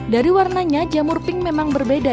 dari warnanya jamur pink memang berbeda